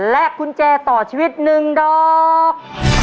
กุญแจต่อชีวิต๑ดอก